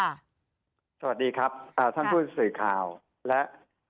สวัสดีครับท่านผู้สื่อข่าวและ